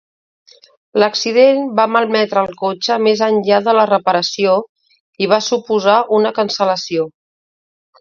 L'accident va malmetre el cotxe més enllà de la reparació i va suposar una cancel·lació